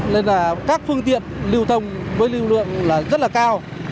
nên là các phương tiện lưu thông với lưu lượng là rất là cao